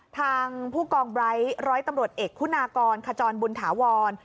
ทางผู้กองไร้ร้อยตำรวจเอกคุณากรขจรบุญถาวร